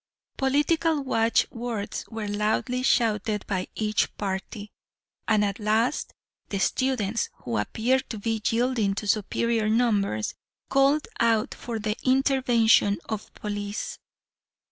Political watch words were loudly shouted by each party; and at last the students, who appeared to be yielding to superior numbers, called out for the intervention of the police.